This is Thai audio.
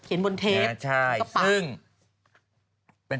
เขียนบนเทสแล้วก็ปากใช่ซึ่ง